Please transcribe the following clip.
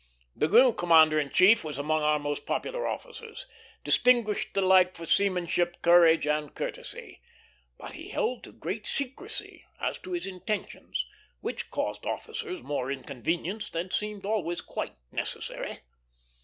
The new commander in chief was among our most popular officers, distinguished alike for seamanship, courage, and courtesy; but he held to great secrecy as to his intentions, which caused officers more inconvenience than seemed always quite necessary.